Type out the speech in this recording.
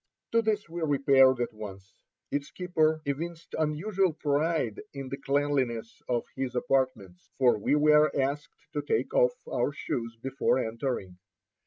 To this we repaired at once. Its keeper evinced unusual pride in the cleanliness of his apartments, for we were asked to take Ill 89 IN A PERSIAN GRAVEYARD. off our shoes before entering.